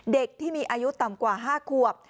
เด็กที่มีอายุต่ำกว่า๕ขวบ